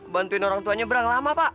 bantuin orang tuanya berapa lama pak